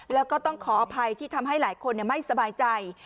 แล้วก็ต้องขออภัยที่ทำให้หลายคนไม่สบายใจ